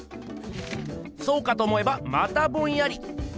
そうかと思えばまたボンヤリ。